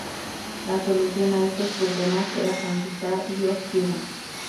La solución a estos problemas era conquistar Iwo Jima.